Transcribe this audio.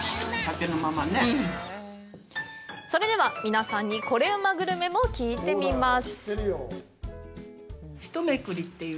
それでは、皆さんにコレうまグルメも聞いてみます。